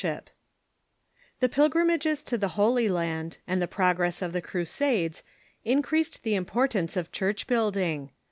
] The pilgrimages to the Holy Land and the progress of the Crusades increased the importance of church building.